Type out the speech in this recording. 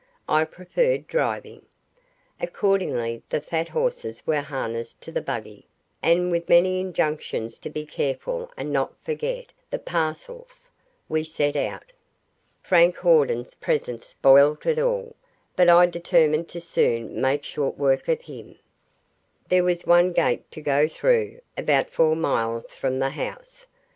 I preferred driving. Accordingly the fat horses were harnessed to the buggy, and with many injunctions to be careful and not forget the parcels, we set out. Frank Hawden's presence spoilt it all, but I determined to soon make short work of him. There was one gate to go through, about four miles from the house.